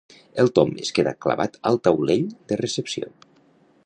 El Tom es queda clavat al taulell de recepció.